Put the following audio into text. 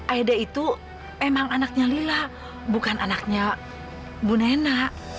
aida itu emang anaknya lila bukan anaknya bu nena